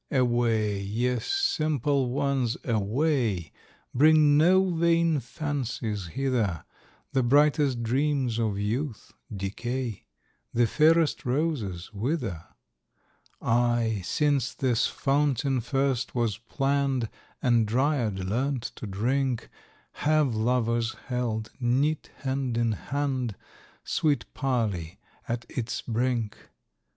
Away, ye simple ones, away! Bring no vain fancies hither; The brightest dreams of youth decay, The fairest roses wither. Aye, since this fountain first was plann'd, And Dryad learnt to drink, Have lovers held, knit hand in hand, Sweet parley at its brink.